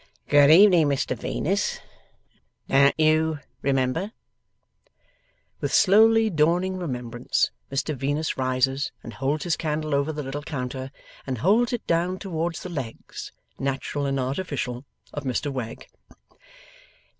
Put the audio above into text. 'Good evening, Mr Venus. Don't you remember?' With slowly dawning remembrance, Mr Venus rises, and holds his candle over the little counter, and holds it down towards the legs, natural and artificial, of Mr Wegg.